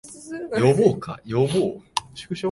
呼ぼうか、呼ぼう